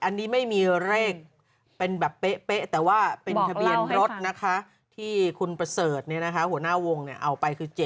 อันนี้ไม่มีเลขเป็นแบบเป๊ะแต่ว่าเป็นทะเบียนรถนะคะที่คุณประเสริฐหัวหน้าวงเอาไปคือ๗